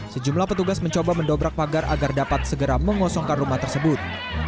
sejumlah petugas mencoba mendobrak pagar agar dapat segera mengosongkan rumah tersebut